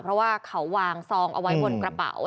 เพราะว่าเขาวางซองเอาไว้บนกระเป๋า